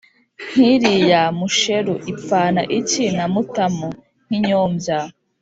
nk’iriya Musheru ipfana iki na Mutamu”? Nk’inyombya